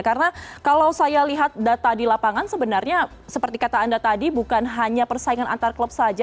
karena kalau saya lihat data di lapangan sebenarnya seperti kata anda tadi bukan hanya persaingan antar klub saja